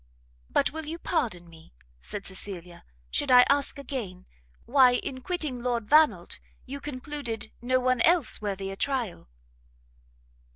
"But will you pardon me," said Cecilia, "should I ask again, why in quitting Lord Vannelt, you concluded no one else worthy a trial?"